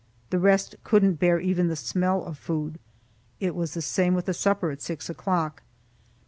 The rest couldn't bear even the smell of food. It was the same with the supper at six o'clock.